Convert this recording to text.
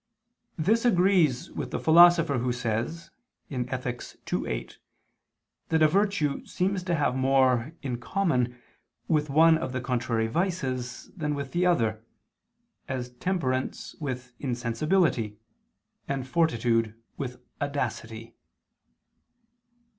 This agrees with the Philosopher who says (Ethic. ii, 8) that a virtue seems to have more in common with one of the contrary vices than with the other, as temperance with insensibility, and fortitude with audacity.